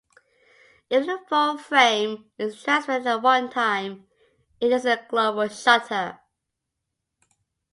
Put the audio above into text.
If the full-frame is transferred at one time, it is a global shutter.